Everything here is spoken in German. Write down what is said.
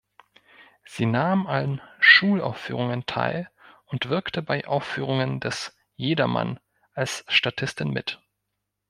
Sie nahm an Schulaufführungen teil und wirkte bei Aufführungen des "Jedermann" als Statistin mit.